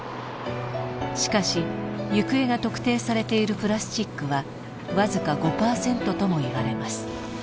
しかし行方が特定されているプラスチックはわずか５パーセントともいわれます。